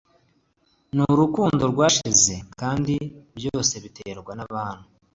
n’urukundo rwashize kandi byose biterwa n’abantu